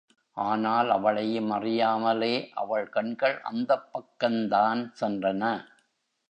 ஆனால் அவளையும் அறியாமலே அவள் கண்கள் அந்தப் பக்கந்தான் சென்றன.